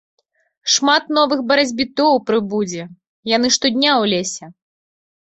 Шмат новых барацьбітоў прыбудзе, яны штодня ў лесе.